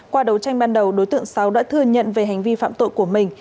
qua đấu tranh ban đầu đối tượng sáu đã thừa nhận về hành vi phạm tội của mình